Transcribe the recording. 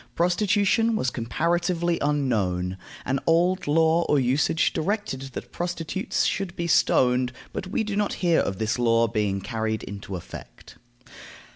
Prostitution was comparatively unknown. An old law or usage directed that prostitutes should be stoned, but we do not hear of this law being carried into effect.